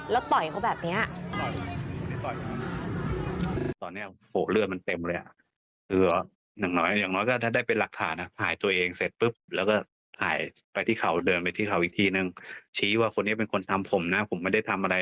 แล้วต่อยเขาแบบนี้